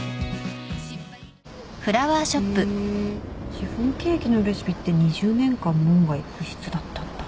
シフォンケーキのレシピって２０年間門外不出だったんだ。